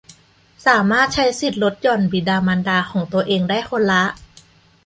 สามารถใช้สิทธิ์ลดหย่อนบิดามารดาของตัวเองได้คนละ